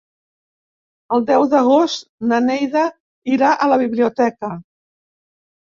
El deu d'agost na Neida irà a la biblioteca.